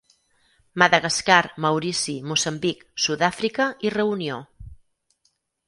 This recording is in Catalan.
Madagascar, Maurici, Moçambic, Sud-àfrica i Reunió.